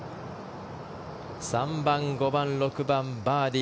３番、５番、６番バーディー。